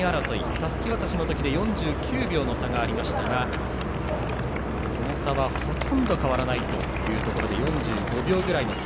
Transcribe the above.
たすき渡しの時４９秒の差がありましたがその差は、ほとんど変わらないというところで４５秒ぐらいの差。